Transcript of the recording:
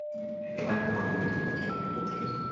এবার তোমার মুখে তোমার পথ-শেষের কবিতাটা শুনে নিই।